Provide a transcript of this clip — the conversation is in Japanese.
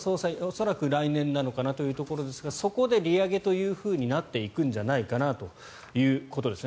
恐らく来年かなというところですがそこで利上げとなっていくんじゃないかなということです。